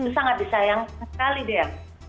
sangat disayang sekali dea